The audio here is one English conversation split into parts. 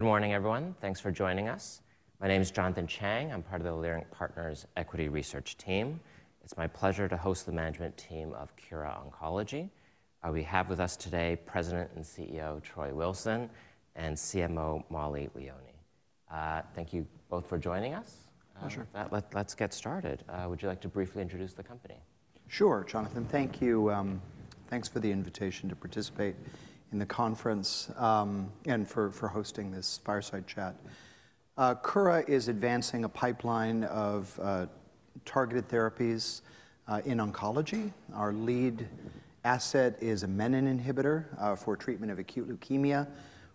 Good morning, everyone. Thanks for joining us. My name is Jonathan Chang. I'm part of the Leerink Partners Equity Research Team. It's my pleasure to host the management team of Kura Oncology. We have with us today President and CEO Troy Wilson and CMO Mollie Leoni. Thank you both for joining us. Pleasure. Let's get started. Would you like to briefly introduce the company? Sure, Jonathan. Thank you. Thanks for the invitation to participate in the conference and for hosting this fireside chat. Kura is advancing a pipeline of targeted therapies in oncology. Our lead asset is a menin inhibitor for treatment of acute leukemia.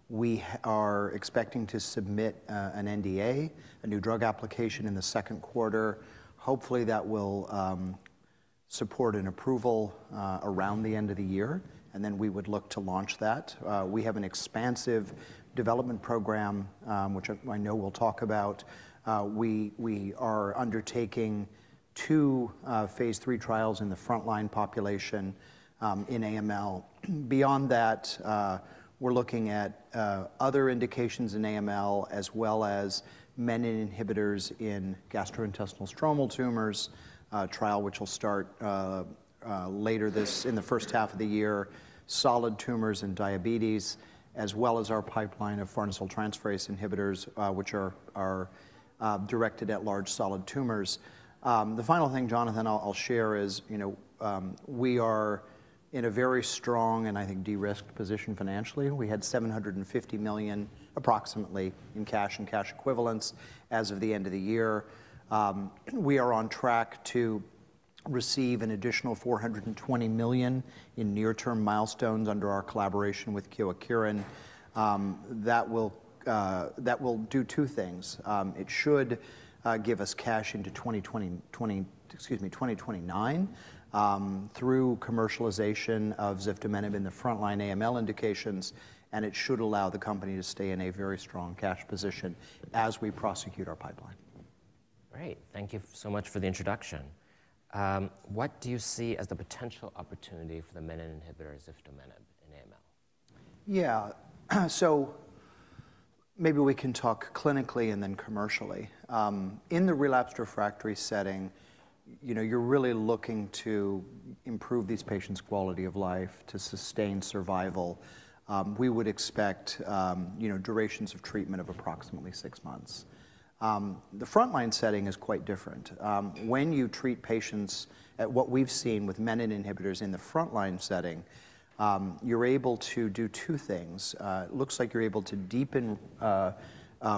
We are expecting to submit an NDA, a new drug application, in the second quarter. Hopefully, that will support an approval around the end of the year, and then we would look to launch that. We have an expansive development program, which I know we'll talk about. We are undertaking two phase three trials in the frontline population in AML. Beyond that, we're looking at other indications in AML, as well as menin inhibitors in gastrointestinal stromal tumors, a trial which will start later this in the first half of the year, solid tumors and diabetes, as well as our pipeline of farnesyl transferase inhibitors, which are directed at large solid tumors. The final thing, Jonathan, I'll share is we are in a very strong and, I think, de-risked position financially. We had $750 million, approximately, in cash and cash equivalents as of the end of the year. We are on track to receive an additional $420 million in near-term milestones under our collaboration with Kyowa Kirin. That will do two things. It should give us cash into 2029 through commercialization of ziftomenib in the frontline AML indications, and it should allow the company to stay in a very strong cash position as we prosecute our pipeline. Great. Thank you so much for the introduction. What do you see as the potential opportunity for the menin inhibitor ziftomenib in AML? Yeah. Maybe we can talk clinically and then commercially. In the relapsed/refractory setting, you're really looking to improve these patients' quality of life to sustain survival. We would expect durations of treatment of approximately six months. The frontline setting is quite different. When you treat patients at what we've seen with menin inhibitors in the frontline setting, you're able to do two things. It looks like you're able to deepen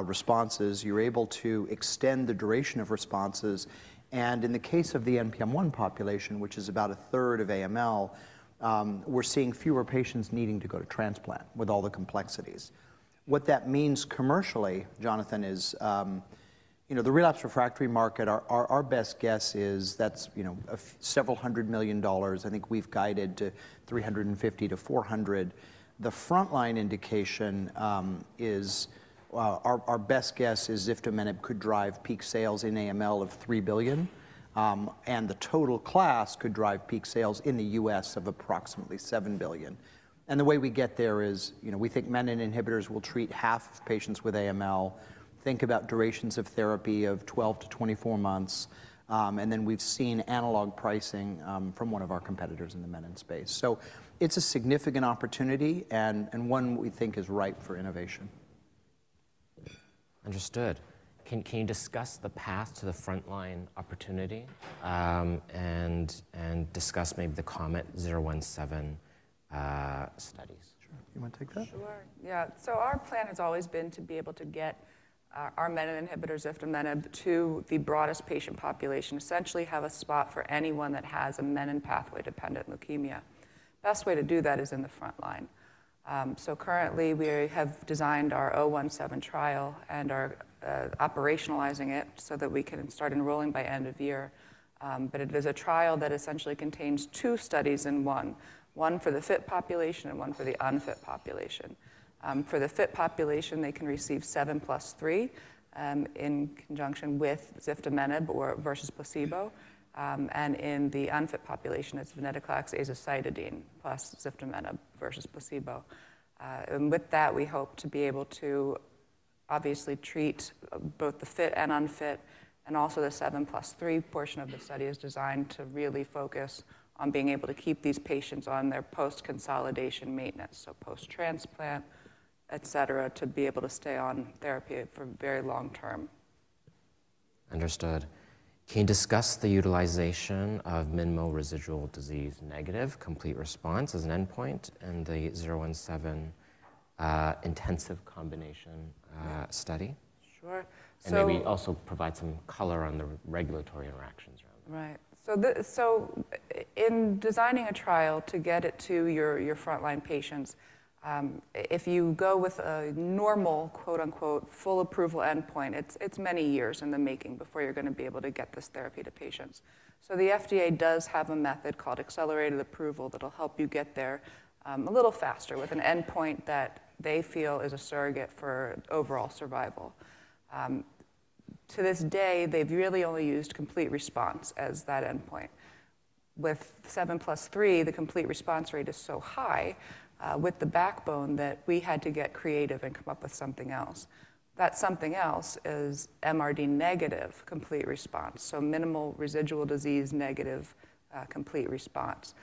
responses. You're able to extend the duration of responses. In the case of the NPM1 population, which is about a third of AML, we're seeing fewer patients needing to go to transplant with all the complexities. What that means commercially, Jonathan, is the relapsed/refractory market, our best guess is that's several hundred million dollars. I think we've guided to $350-$400 million. The frontline indication is our best guess is ziftomenib could drive peak sales in AML of $3 billion, and the total class could drive peak sales in the US of approximately $7 billion. The way we get there is we think menin inhibitors will treat half patients with AML, think about durations of therapy of 12-24 months, and then we've seen analog pricing from one of our competitors in the menin space. It is a significant opportunity and one we think is ripe for innovation. Understood. Can you discuss the path to the frontline opportunity and discuss maybe the KOMET-017 studies? Sure. You want to take that? Sure. Yeah. Our plan has always been to be able to get our menin inhibitor, ziftomenib, to the broadest patient population, essentially have a spot for anyone that has a menin pathway-dependent leukemia. The best way to do that is in the frontline. Currently, we have designed our KOMET-017 trial and are operationalizing it so that we can start enrolling by end of year. It is a trial that essentially contains two studies in one, one for the fit population and one for the unfit population. For the fit population, they can receive 7+3 in conjunction with ziftomenib versus placebo. In the unfit population, it is venetoclax/azacitidine plus ziftomenib versus placebo. With that, we hope to be able to obviously treat both the fit and unfit. The 7+3 portion of the study is designed to really focus on being able to keep these patients on their post-consolidation maintenance, so post-transplant, etc., to be able to stay on therapy for very long term. Understood. Can you discuss the utilization of MRD negative complete response as an endpoint and the 017 intensive combination study? Sure. Maybe also provide some color on the regulatory interactions. Right. In designing a trial to get it to your frontline patients, if you go with a normal "full approval" endpoint, it's many years in the making before you're going to be able to get this therapy to patients. The FDA does have a method called accelerated approval that'll help you get there a little faster with an endpoint that they feel is a surrogate for overall survival. To this day, they've really only used complete response as that endpoint. With 7+3, the complete response rate is so high with the backbone that we had to get creative and come up with something else. That something else is MRD negative complete response, so minimal residual disease negative complete response.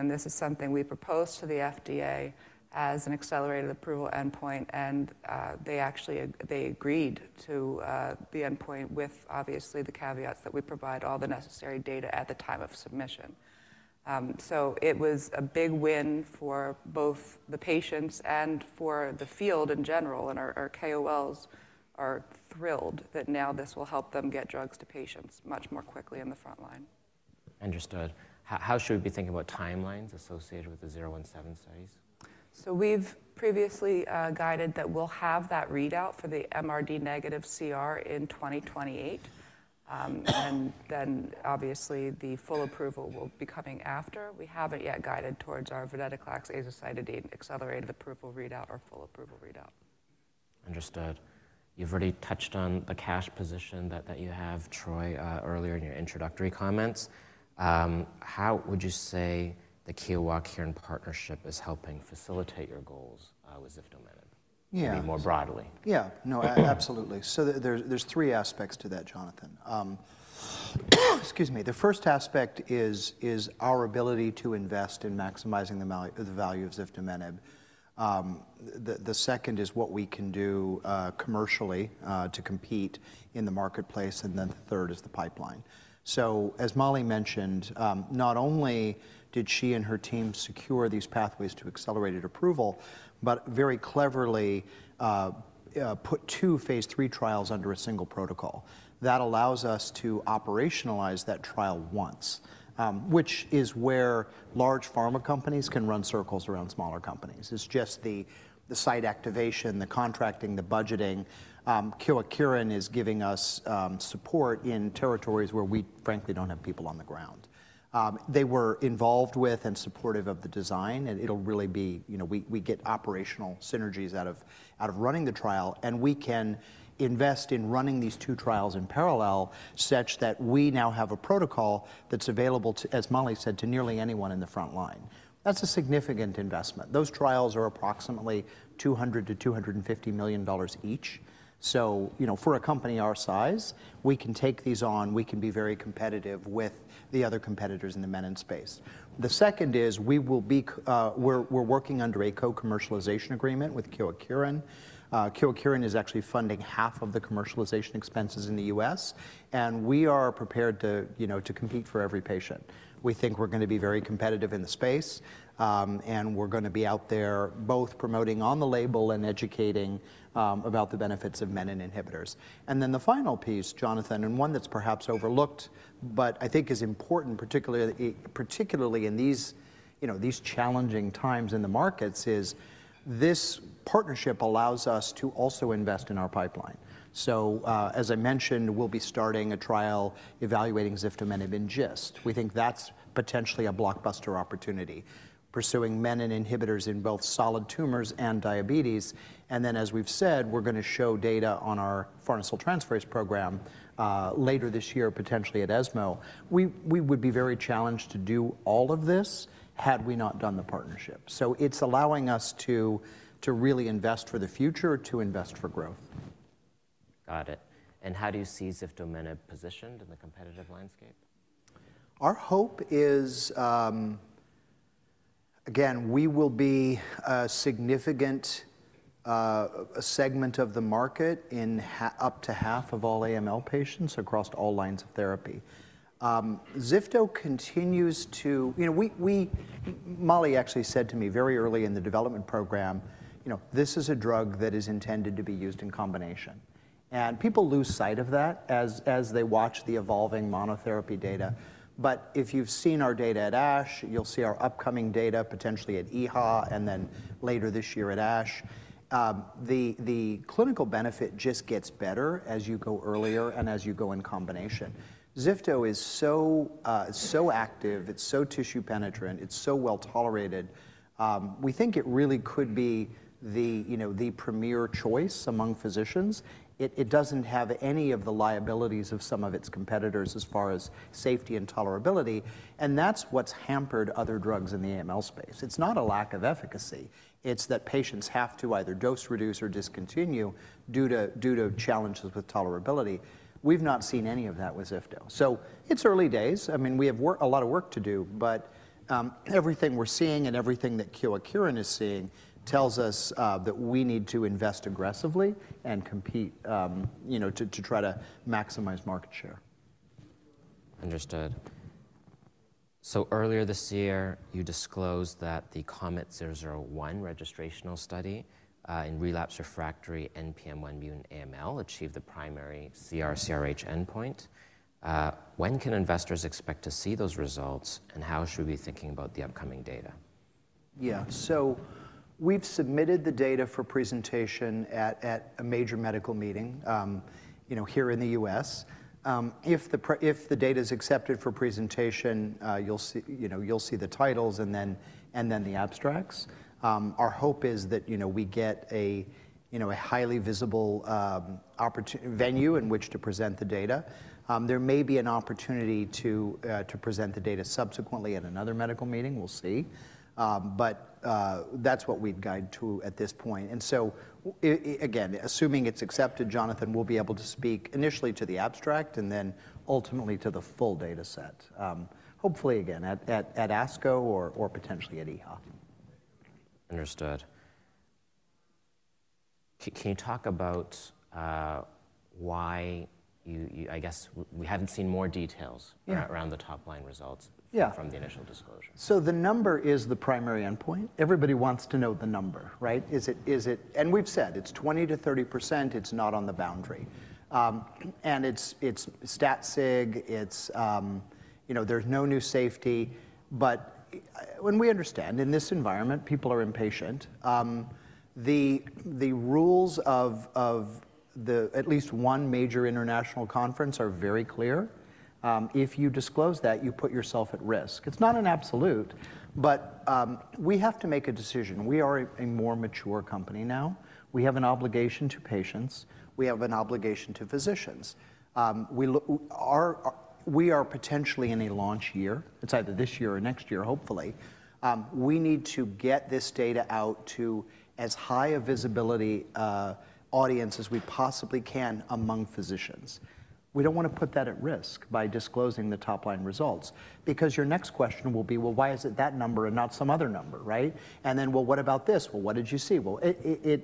This is something we proposed to the FDA as an accelerated approval endpoint, and they agreed to the endpoint with, obviously, the caveats that we provide all the necessary data at the time of submission. It was a big win for both the patients and for the field in general. Our KOLs are thrilled that now this will help them get drugs to patients much more quickly in the frontline. Understood. How should we be thinking about timelines associated with the 017 studies? We have previously guided that we will have that readout for the MRD negative CR in 2028. Obviously, the full approval will be coming after. We have not yet guided towards our venetoclax/azacitidine accelerated approval readout or full approval readout. Understood. You've already touched on the cash position that you have, Troy, earlier in your introductory comments. How would you say the Kura-Kyowa Kirin partnership is helping facilitate your goals with ziftomenib more broadly? Yeah. No, absolutely. There are three aspects to that, Jonathan. Excuse me. The first aspect is our ability to invest in maximizing the value of ziftomenib. The second is what we can do commercially to compete in the marketplace. The third is the pipeline. As Molly mentioned, not only did she and her team secure these pathways to accelerated approval, but very cleverly put two phase three trials under a single protocol. That allows us to operationalize that trial once, which is where large pharma companies can run circles around smaller companies. It is just the site activation, the contracting, the budgeting. Kyowa Kirin is giving us support in territories where we, frankly, do not have people on the ground. They were involved with and supportive of the design. It'll really be we get operational synergies out of running the trial, and we can invest in running these two trials in parallel such that we now have a protocol that's available, as Molly said, to nearly anyone in the frontline. That's a significant investment. Those trials are approximately $200 million-$250 million each. For a company our size, we can take these on. We can be very competitive with the other competitors in the menin space. The second is we're working under a co-commercialization agreement with Kyowa Kirin. Kyowa Kirin is actually funding half of the commercialization expenses in the US, and we are prepared to compete for every patient. We think we're going to be very competitive in the space, and we're going to be out there both promoting on the label and educating about the benefits of menin inhibitors. The final piece, Jonathan, and one that's perhaps overlooked, but I think is important, particularly in these challenging times in the markets, is this partnership allows us to also invest in our pipeline. As I mentioned, we'll be starting a trial evaluating ziftomenib in GIST. We think that's potentially a blockbuster opportunity, pursuing menin inhibitors in both solid tumors and diabetes. As we've said, we're going to show data on our farnesyl transferase program later this year, potentially at ESMO. We would be very challenged to do all of this had we not done the partnership. It is allowing us to really invest for the future, to invest for growth. Got it. And how do you see ziftomenib positioned in the competitive landscape? Our hope is, again, we will be a significant segment of the market in up to half of all AML patients across all lines of therapy. Zifto continues to, Molly actually said to me very early in the development program, this is a drug that is intended to be used in combination. People lose sight of that as they watch the evolving monotherapy data. If you've seen our data at ASH, you'll see our upcoming data potentially at EHA and then later this year at ASH. The clinical benefit just gets better as you go earlier and as you go in combination. Zifto is so active. It's so tissue penetrant. It's so well tolerated. We think it really could be the premier choice among physicians. It doesn't have any of the liabilities of some of its competitors as far as safety and tolerability. That's what's hampered other drugs in the AML space. It's not a lack of efficacy. It's that patients have to either dose reduce or discontinue due to challenges with tolerability. We've not seen any of that with ziftomenib. I mean, we have a lot of work to do, but everything we're seeing and everything that Kura Oncology is seeing tells us that we need to invest aggressively and compete to try to maximize market share. Understood. Earlier this year, you disclosed that the KOMET-001 registrational study in relapsed/refractory NPM1-mutant AML achieved the primary CR/CRh endpoint. When can investors expect to see those results, and how should we be thinking about the upcoming data? Yeah. We have submitted the data for presentation at a major medical meeting here in the U.S. If the data is accepted for presentation, you will see the titles and then the abstracts. Our hope is that we get a highly visible venue in which to present the data. There may be an opportunity to present the data subsequently at another medical meeting. We will see. That is what we would guide to at this point. Again, assuming it is accepted, Jonathan, we will be able to speak initially to the abstract and then ultimately to the full data set, hopefully, again, at ASCO or potentially at EHA. Understood. Can you talk about why you, I guess, we haven't seen more details around the top-line results from the initial disclosure? Yeah. The number is the primary endpoint. Everybody wants to know the number, right? We have said it is 20%-30%. It is not on the boundary. It is stat-sig. There is no new safety. We understand in this environment people are impatient. The rules of at least one major international conference are very clear. If you disclose that, you put yourself at risk. It is not an absolute, but we have to make a decision. We are a more mature company now. We have an obligation to patients. We have an obligation to physicians. We are potentially in a launch year. It is either this year or next year, hopefully. We need to get this data out to as high a visibility audience as we possibly can among physicians. We do not want to put that at risk by disclosing the top-line results because your next question will be, well, why is it that number and not some other number, right? And then, well, what about this? Well, what did you see? Well, it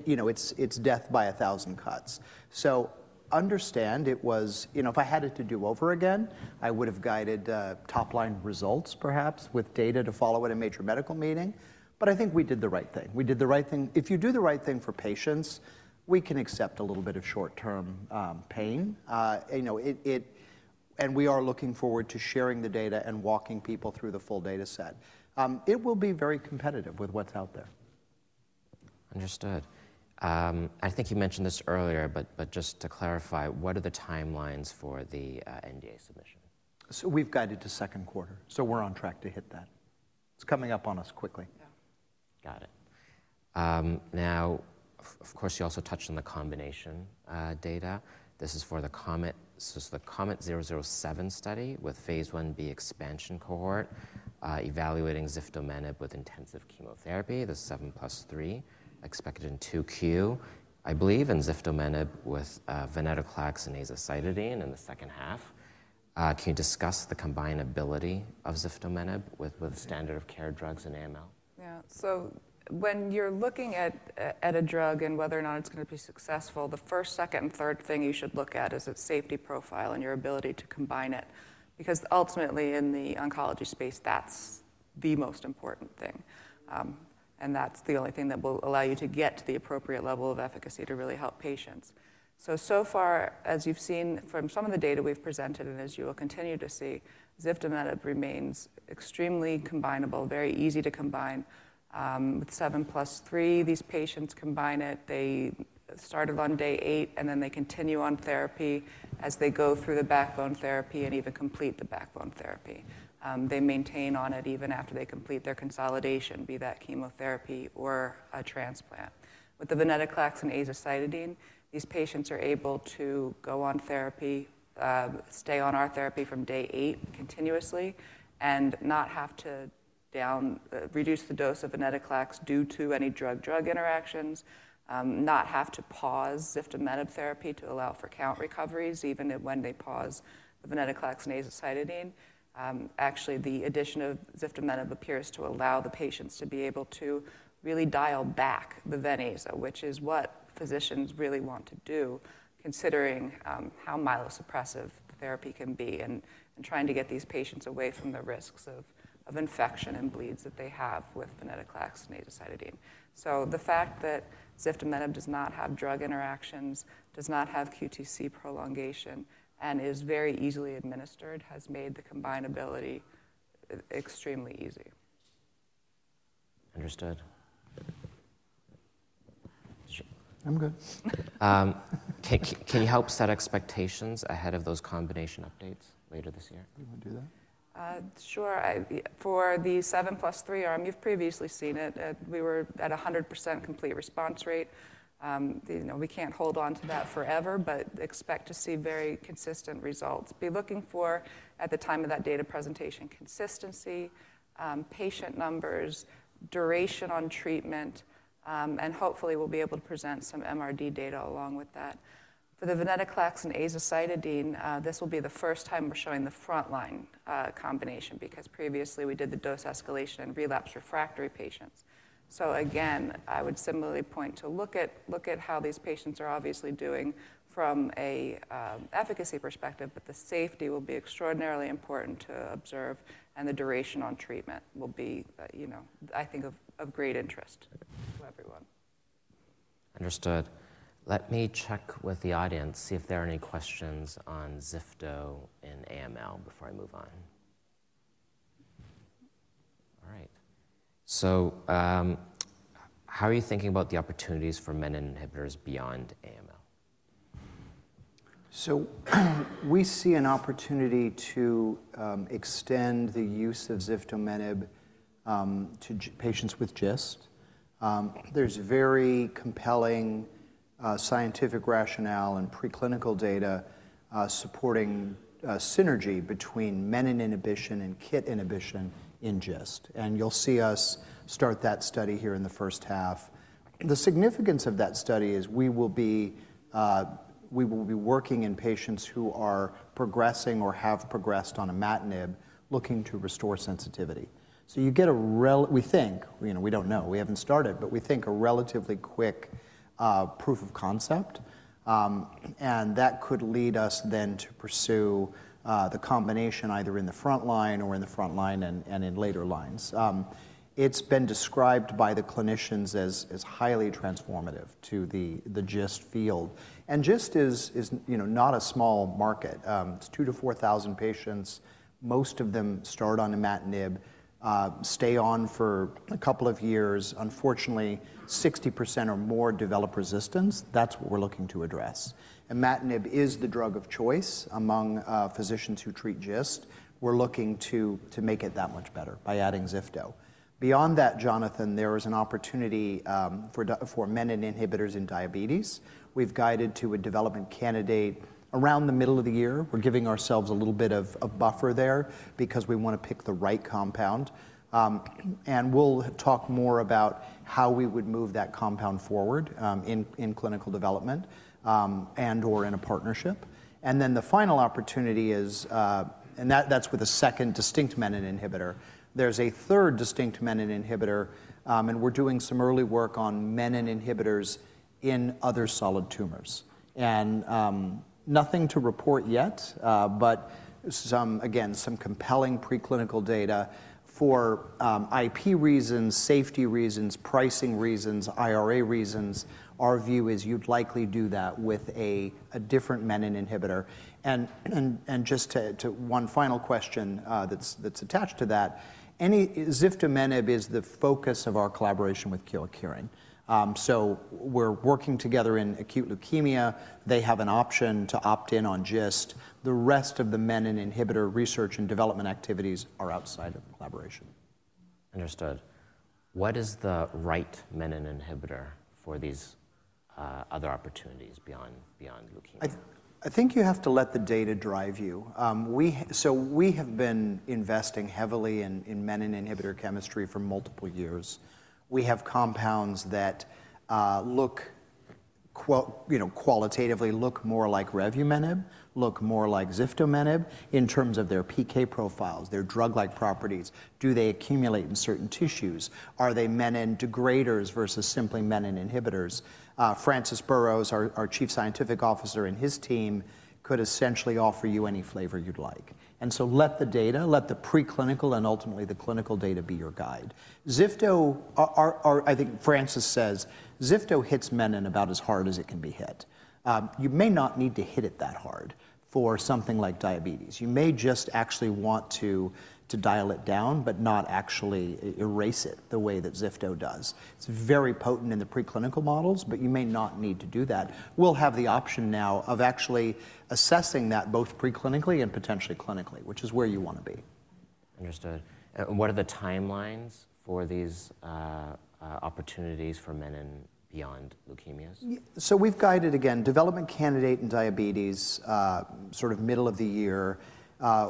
is death by a thousand cuts. So understand, if I had it to do over again, I would have guided top-line results, perhaps, with data to follow at a major medical meeting. I think we did the right thing. We did the right thing. If you do the right thing for patients, we can accept a little bit of short-term pain. We are looking forward to sharing the data and walking people through the full data set. It will be very competitive with what is out there. Understood. I think you mentioned this earlier, but just to clarify, what are the timelines for the NDA submission? We've guided to second quarter. We're on track to hit that. It's coming up on us quickly. Yeah. Got it. Now, of course, you also touched on the combination data. This is for the KOMET-007 study with phase one B expansion cohort evaluating ziftomenib with intensive chemotherapy, the 7+3 expected in Q2, I believe, and ziftomenib with venetoclax and azacitidine in the second half. Can you discuss the combinability of ziftomenib with standard of care drugs in AML? Yeah. When you're looking at a drug and whether or not it's going to be successful, the first, second, and third thing you should look at is its safety profile and your ability to combine it because ultimately, in the oncology space, that's the most important thing. That's the only thing that will allow you to get to the appropriate level of efficacy to really help patients. As you've seen from some of the data we've presented and as you will continue to see, ziftomenib remains extremely combinable, very easy to combine. With 7+3, these patients combine it. They started on day eight, and then they continue on therapy as they go through the backbone therapy and even complete the backbone therapy. They maintain on it even after they complete their consolidation, be that chemotherapy or a transplant. With the venetoclax and azacitidine, these patients are able to go on therapy, stay on our therapy from day eight continuously, and not have to reduce the dose of venetoclax due to any drug-drug interactions, not have to pause ziftomenib therapy to allow for count recoveries even when they pause venetoclax and azacitidine. Actually, the addition of ziftomenib appears to allow the patients to be able to really dial back the Ven/Aza, which is what physicians really want to do considering how myelosuppressive the therapy can be and trying to get these patients away from the risks of infection and bleeds that they have with venetoclax and azacitidine. The fact that ziftomenib does not have drug interactions, does not have QTc prolongation, and is very easily administered has made the combinability extremely easy. Understood. I'm good. Can you help set expectations ahead of those combination updates later this year? You want to do that? Sure. For the 7+3 arm, you've previously seen it. We were at a 100% complete response rate. We can't hold on to that forever, but expect to see very consistent results. Be looking for, at the time of that data presentation, consistency, patient numbers, duration on treatment, and hopefully, we'll be able to present some MRD data along with that. For the venetoclax and azacitidine, this will be the first time we're showing the front-line combination because previously, we did the dose escalation in relapsed/refractory patients. I would similarly point to look at how these patients are obviously doing from an efficacy perspective, but the safety will be extraordinarily important to observe, and the duration on treatment will be, I think, of great interest to everyone. Understood. Let me check with the audience, see if there are any questions on ziftomenib in AML before I move on. All right. How are you thinking about the opportunities for menin inhibitors beyond AML? We see an opportunity to extend the use of ziftomenib to patients with GIST. There is very compelling scientific rationale and preclinical data supporting synergy between menin inhibition and KIT inhibition in GIST. You will see us start that study here in the first half. The significance of that study is we will be working in patients who are progressing or have progressed on imatinib, looking to restore sensitivity. You get a, we think, we do not know, we have not started, but we think a relatively quick proof of concept. That could lead us then to pursue the combination either in the front line or in the front line and in later lines. It has been described by the clinicians as highly transformative to the GIST field. GIST is not a small market. It is 2,000-4,000 patients. Most of them start on imatinib, stay on for a couple of years. Unfortunately, 60% or more develop resistance. That's what we're looking to address. And imatinib is the drug of choice among physicians who treat GIST. We're looking to make it that much better by adding Ziftomenib. Beyond that, Jonathan, there is an opportunity for menin inhibitors in diabetes. We've guided to a development candidate around the middle of the year. We're giving ourselves a little bit of buffer there because we want to pick the right compound. We'll talk more about how we would move that compound forward in clinical development and/or in a partnership. The final opportunity is, and that's with a second distinct menin inhibitor. There's a third distinct menin inhibitor, and we're doing some early work on menin inhibitors in other solid tumors. Nothing to report yet, but again, some compelling preclinical data for IP reasons, safety reasons, pricing reasons, IRA reasons. Our view is you'd likely do that with a different menin inhibitor. Just to one final question that's attached to that, ziftomenib is the focus of our collaboration with Kura Oncology. We are working together in acute leukemia. They have an option to opt in on GIST. The rest of the menin inhibitor research and development activities are outside of collaboration. Understood. What is the right menin inhibitor for these other opportunities beyond leukemia? I think you have to let the data drive you. We have been investing heavily in menin inhibitor chemistry for multiple years. We have compounds that look qualitatively more like Revumenib, look more like ziftomenib in terms of their PK profiles, their drug-like properties. Do they accumulate in certain tissues? Are they menin degraders versus simply menin inhibitors? Francis Burrows, our Chief Scientific Officer and his team, could essentially offer you any flavor you'd like. Let the data, let the preclinical and ultimately the clinical data be your guide. Zifto, I think Francis says, Zifto hits menin about as hard as it can be hit. You may not need to hit it that hard for something like diabetes. You may just actually want to dial it down, but not actually erase it the way that Zifto does. It's very potent in the preclinical models, but you may not need to do that. We'll have the option now of actually assessing that both preclinically and potentially clinically, which is where you want to be. Understood. What are the timelines for these opportunities for menin beyond leukemias? We've guided, again, development candidate in diabetes, sort of middle of the year.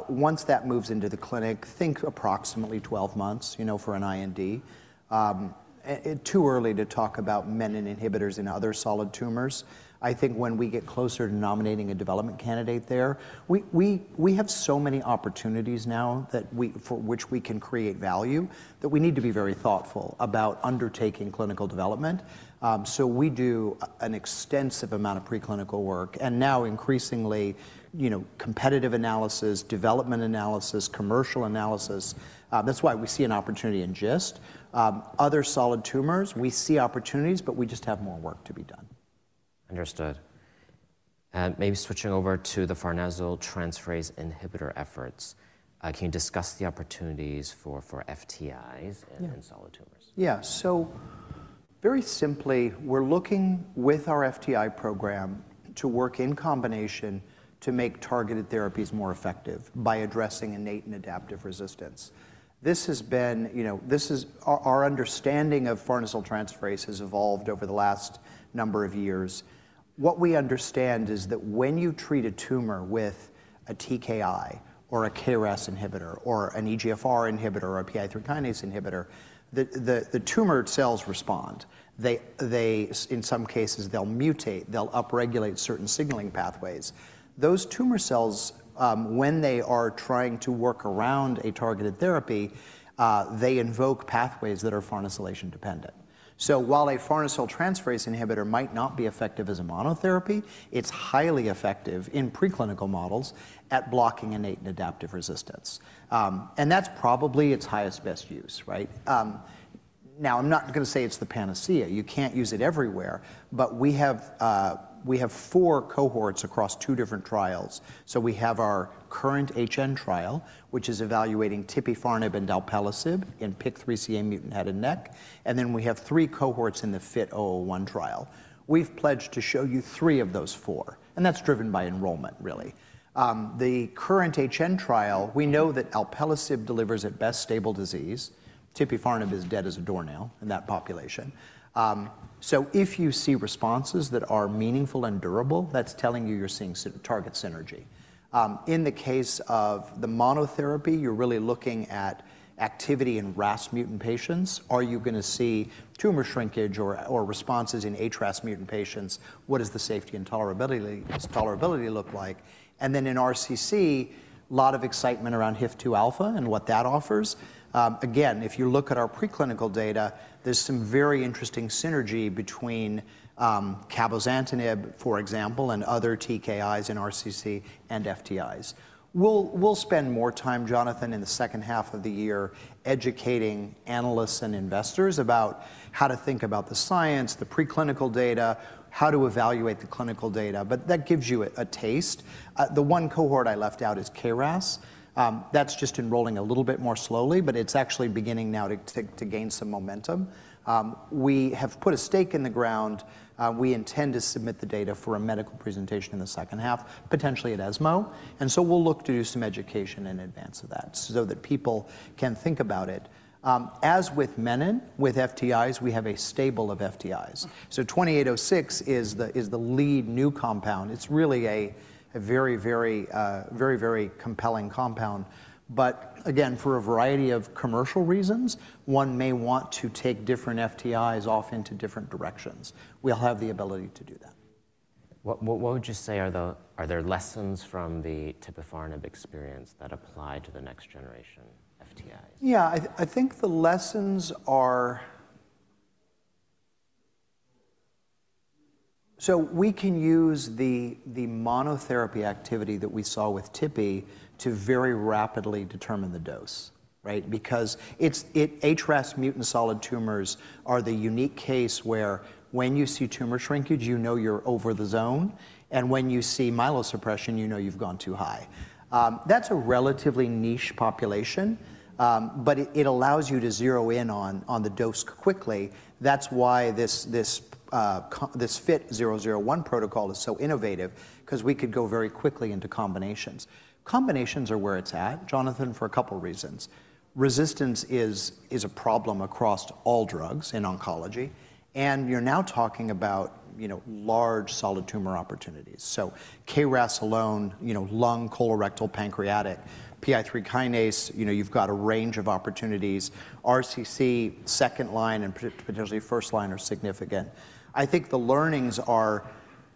Once that moves into the clinic, think approximately 12 months for an IND. Too early to talk about menin inhibitors in other solid tumors. I think when we get closer to nominating a development candidate there, we have so many opportunities now for which we can create value that we need to be very thoughtful about undertaking clinical development. We do an extensive amount of preclinical work and now increasingly competitive analysis, development analysis, commercial analysis. That's why we see an opportunity in GIST. Other solid tumors, we see opportunities, but we just have more work to be done. Understood. Maybe switching over to the farnesyl transferase inhibitor efforts, can you discuss the opportunities for FTIs in solid tumors? Yeah. Very simply, we're looking with our FTI program to work in combination to make targeted therapies more effective by addressing innate and adaptive resistance. This has been, our understanding of farnesyl transferase has evolved over the last number of years. What we understand is that when you treat a tumor with a TKI or a KRAS inhibitor or an EGFR inhibitor or a PI3 kinase inhibitor, the tumor cells respond. In some cases, they'll mutate, they'll upregulate certain signaling pathways. Those tumor cells, when they are trying to work around a targeted therapy, they invoke pathways that are farnesylation dependent. While a farnesyl transferase inhibitor might not be effective as a monotherapy, it's highly effective in preclinical models at blocking innate and adaptive resistance. That's probably its highest best use, right? Now, I'm not going to say it's the panacea. You can't use it everywhere, but we have four cohorts across two different trials. We have our KURRENT-HN trial, which is evaluating tipifarnib and dalpiciclib in PIK3CA mutant head and neck. We have three cohorts in the FIT-001 trial. We've pledged to show you three of those four. That's driven by enrollment, really. The KURRENT-HN trial, we know that dalpiciclib delivers at best stable disease. Tipifarnib is dead as a doornail in that population. If you see responses that are meaningful and durable, that's telling you you're seeing target synergy. In the case of the monotherapy, you're really looking at activity in RAS mutant patients. Are you going to see tumor shrinkage or responses in HRAS mutant patients? What does the safety and tolerability look like? In RCC, a lot of excitement around HIF2 alpha and what that offers. Again, if you look at our preclinical data, there's some very interesting synergy between Cabozantinib, for example, and other TKIs in RCC and FTIs. We'll spend more time, Jonathan, in the second half of the year educating analysts and investors about how to think about the science, the preclinical data, how to evaluate the clinical data, but that gives you a taste. The one cohort I left out is KRAS. That's just enrolling a little bit more slowly, but it's actually beginning now to gain some momentum. We have put a stake in the ground. We intend to submit the data for a medical presentation in the second half, potentially at ESMO. We will look to do some education in advance of that so that people can think about it. As with menin, with FTIs, we have a stable of FTIs. 2806 is the lead new compound. It's really a very, very, very compelling compound. Again, for a variety of commercial reasons, one may want to take different FTIs off into different directions. We'll have the ability to do that. What would you say, are there lessons from the tipifarnib experience that apply to the next generation FTIs? Yeah, I think the lessons are, so we can use the monotherapy activity that we saw with Tipifarnib to very rapidly determine the dose, right? Because HRAS mutant solid tumors are the unique case where when you see tumor shrinkage, you know you're over the zone. And when you see myelosuppression, you know you've gone too high. That's a relatively niche population, but it allows you to zero in on the dose quickly. That's why this FIT-001 protocol is so innovative because we could go very quickly into combinations. Combinations are where it's at, Jonathan, for a couple of reasons. Resistance is a problem across all drugs in oncology. And you're now talking about large solid tumor opportunities. KRAS alone, lung, colorectal, pancreatic, PI3 kinase, you've got a range of opportunities. RCC, second line and potentially first line are significant. I think the learnings are,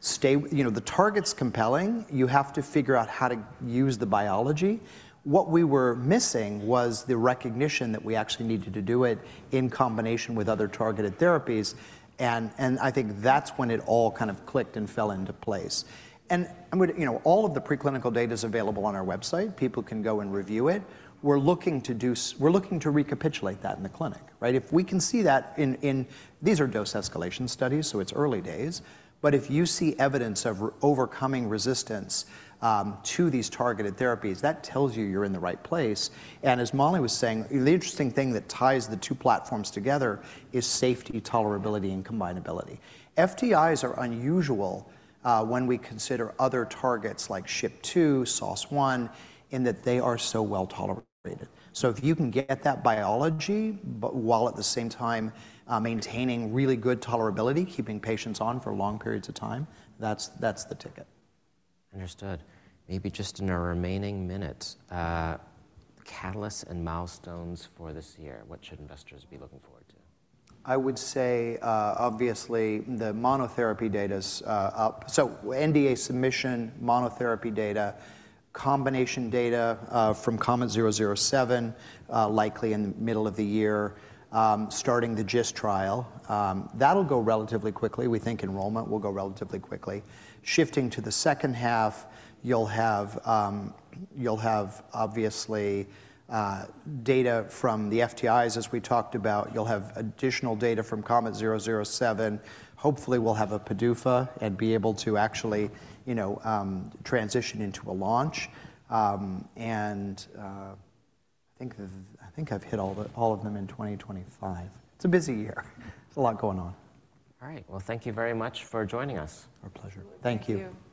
the target's compelling. You have to figure out how to use the biology. What we were missing was the recognition that we actually needed to do it in combination with other targeted therapies. I think that's when it all kind of clicked and fell into place. All of the preclinical data is available on our website. People can go and review it. We're looking to recapitulate that in the clinic, right? If we can see that in, these are dose escalation studies, so it's early days. If you see evidence of overcoming resistance to these targeted therapies, that tells you you're in the right place. As Molly was saying, the interesting thing that ties the two platforms together is safety, tolerability, and combinability. FTIs are unusual when we consider other targets like SHIP2, SOS1, in that they are so well tolerated. If you can get that biology while at the same time maintaining really good tolerability, keeping patients on for long periods of time, that's the ticket. Understood. Maybe just in our remaining minutes, catalysts and milestones for this year, what should investors be looking forward to? I would say, obviously, the monotherapy data's up. NDA submission, monotherapy data, combination data from COMMON-007, likely in the middle of the year, starting the GIST trial. That'll go relatively quickly. We think enrollment will go relatively quickly. Shifting to the second half, you'll have obviously data from the FTIs, as we talked about. You'll have additional data from COMMON-007. Hopefully, we'll have a PDUFA and be able to actually transition into a launch. I think I've hit all of them in 2025. It's a busy year. It's a lot going on. All right. Thank you very much for joining us. Our pleasure. Thank you. Thank you.